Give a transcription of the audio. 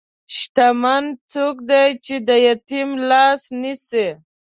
شتمن څوک دی چې د یتیم لاس نیسي.